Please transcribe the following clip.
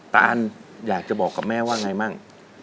ตานอยากจะบอกกับแม่ว่าไงมั่ง